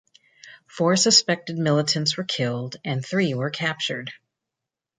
Four suspected militants were killed and three were captured.